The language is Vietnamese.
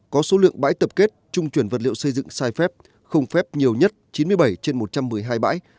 có số lượng bãi tập kết trung chuyển vật liệu xây dựng sai phép không phép nhiều nhất chín mươi bảy trên một trăm một mươi hai bãi